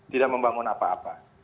tidak membangun apa apa